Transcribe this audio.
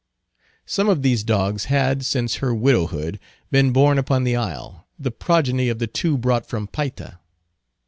Some of these dogs had, since her widowhood, been born upon the isle, the progeny of the two brought from Payta.